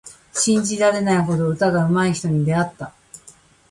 信じられないほど歌がうまい人に出会った。